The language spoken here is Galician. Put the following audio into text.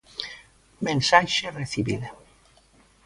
Mensaxe recibida.